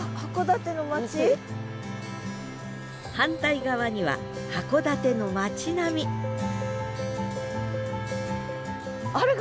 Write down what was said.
反対側には函館の町並みへえ。